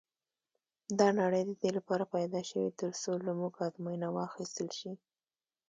دا نړۍ د دې لپاره پيدا شوې تر څو له موږ ازموینه واخیستل شي.